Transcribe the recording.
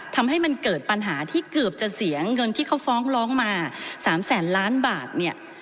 ทำให้มันเกิดปัญหาที่เกือบจะเสียเงินที่เขาฟ้องร้องมา๓แสนล้านบาทเนี่ย